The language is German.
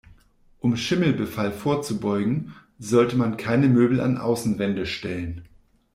Um Schimmelbefall vorzubeugen, sollte man keine Möbel an Außenwände stellen.